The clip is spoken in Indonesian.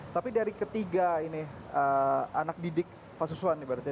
tapi dari ketiga ini anak didik pak suswan ibaratnya